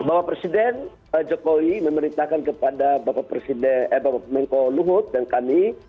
bapak presiden jokowi memerintahkan kepada bapak menko luhut dan kami